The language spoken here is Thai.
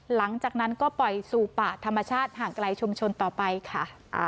หลังจากนั้นก็ปล่อยสู่ป่าธรรมชาติห่างไกลชุมชนต่อไปค่ะ